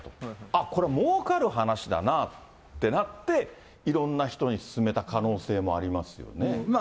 あっ、これ、もうかる話だなとなって、いろんな人に勧めた可能性もありますよね。